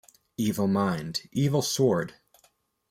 Evil mind, evil sword.